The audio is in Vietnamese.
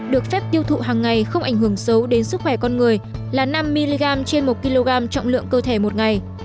được phép tiêu thụ hàng ngày không ảnh hưởng xấu đến sức khỏe con người là năm mg trên một kg trọng lượng cơ thể một ngày